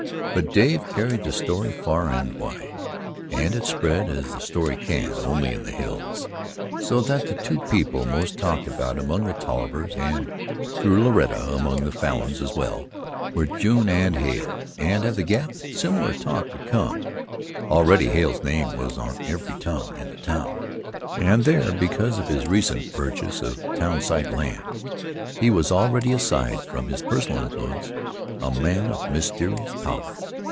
But Dave carried the story far and wide, and it spread as a story can only in the hills. So that the two people most talked about among the Tollivers and, through Loretta, among the Falins as well, were June and Hale, and at the Gap similar talk would come. Already Hale's name was on every tongue in the town, and there, because of his recent purchases of town site land, he was already, aside from his personal influence, a man of mysterious power.